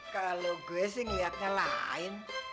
kalau gue sih ngeliatnya lain